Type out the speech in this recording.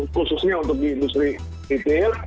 khususnya untuk industri retail